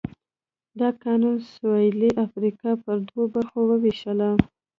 دا قانون سوېلي افریقا پر دوو برخو ووېشله.